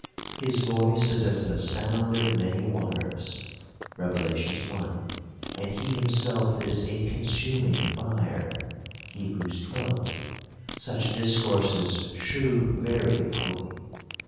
His voice is as the sound of many waters, (Rev. i.) ; and he himself is a consuming fire." (Heb. xii.) — Such discourses shew very holy.